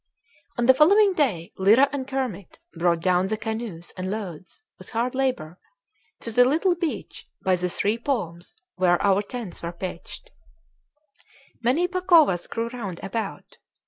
On the following day Lyra and Kermit brought down the canoes and loads, with hard labor, to the little beach by the three palms where our tents were pitched. Many pacovas grew round about.